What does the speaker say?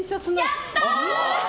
やったー！